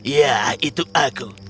ya itu aku